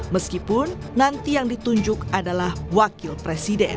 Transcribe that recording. meskipun nanti yang ditunjuk adalah wakil presiden